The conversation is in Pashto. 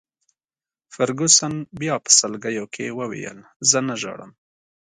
فرګوسن بیا په سلګیو کي وویل: زه نه ژاړم.